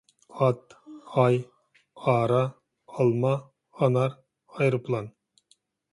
ئات، ئاي، ئارا، ئالما، ئانار، ئايروپىلان.